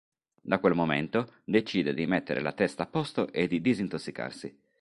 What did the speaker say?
Da quel momento decide di mettere la testa a posto e di disintossicarsi.